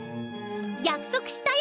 約束したよ。